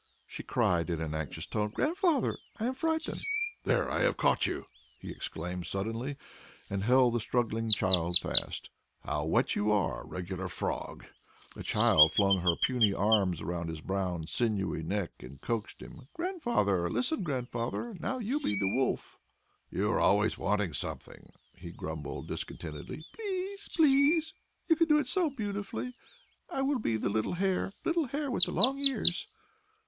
she cried in an anxious tone. "Grandfather, I am frightened." "There, I have caught you," he exclaimed suddenly and held the struggling child fast. "How wet you are, a regular frog!" The child flung her puny arms round his brown sinewy neck and coaxed him. "Grandfather, listen, Grandfather! Now you be the wolf!" "You are always wanting something," he grumbled discontentedly. "Please! Please! You can do it so beautifully. I will be the little hare. Little hare with the long ears."